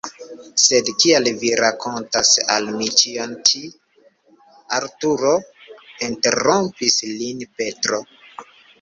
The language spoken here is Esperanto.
"Sed kial Vi rakontas al mi ĉion ĉi? Arturo?" interrompis lin Petro.